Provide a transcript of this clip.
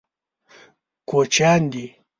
کوچیان دي.